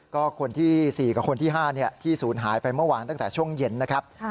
ก็คนที่๔กับคนที่๕ที่ศูนย์หายไปเมื่อวานตั้งแต่ช่วงเย็นนะครับ